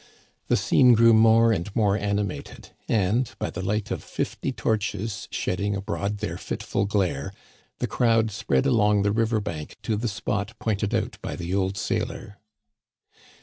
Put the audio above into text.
The scene grew more and more animated, and by the light of fifty torches shedding abroad their fitful glare the crowd spread along the river bank to the spot pointed out by the old sailor.